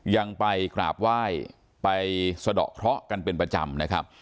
ยังไปกราบไหว้ไปสะดอกเคราะห์กันเป็นประจำนะครับ